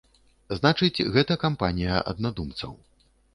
Значыць, гэта кампанія аднадумцаў.